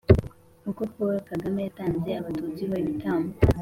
“uko paulo kagame yatanze abatutsi ho ibitambo”